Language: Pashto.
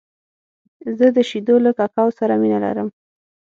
زه د شیدو له ککو سره مینه لرم .